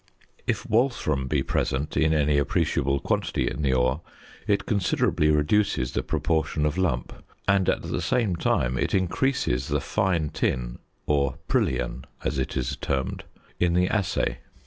If wolfram be present in any appreciable quantity in the ore, it considerably reduces the proportion of lump, and at the same time it increases the fine tin (or prillion, as it is termed) in the assay.